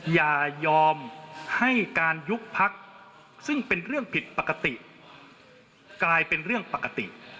อย่ายอมให้การยุบพักซึ่งเป็นเรื่องผิดปกติกลายเป็นเรื่องปกติ